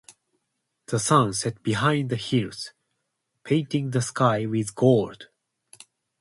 The sun set behind the hills, painting the sky with gold.